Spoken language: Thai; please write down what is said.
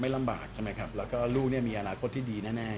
ไม่ลำบากนะครับแล้วก็ดูดิฉันมีอนาคตที่ดีแน่